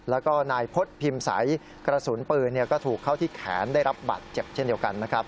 แล้วก็นายพฤษพิมพ์ใสกระสุนปืนก็ถูกเข้าที่แขนได้รับบาดเจ็บเช่นเดียวกันนะครับ